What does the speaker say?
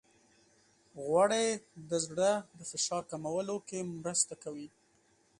غوړې د زړه د فشار کمولو کې مرسته کوي.